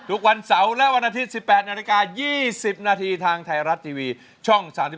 ทุกวันเสาร์และวันอาทิตย์๑๘นาฬิกา๒๐นาทีทางไทยรัฐทีวีช่อง๓๒